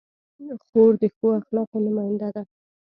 خور د ښو اخلاقو نماینده ده.